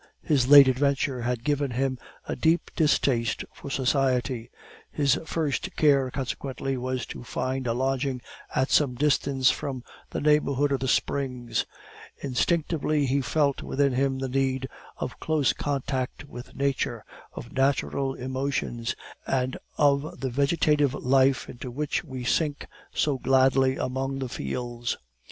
His late adventure had given him a deep distaste for society; his first care, consequently, was to find a lodging at some distance from the neighborhood of the springs. Instinctively he felt within him the need of close contact with nature, of natural emotions, and of the vegetative life into which we sink so gladly among the fields.